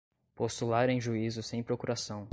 postular em juízo sem procuração